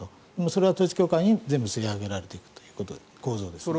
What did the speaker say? それは統一教会に全部吸い上げられていくという構造ですね。